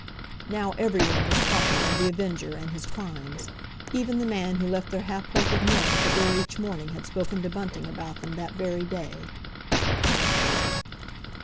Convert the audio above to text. Now everyone was talking of The Avenger and his crimes! Even the man who left their ha'porth of milk at the door each morning had spoken to Bunting about them that very day.